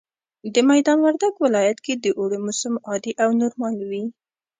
د ميدان وردګ ولايت کي د اوړي موسم عادي او نورمال وي